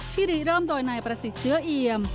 รีเริ่มโดยนายประสิทธิ์เชื้อเอียม